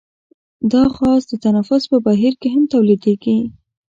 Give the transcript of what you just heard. دا غاز د تنفس په بهیر کې هم تولیدیږي.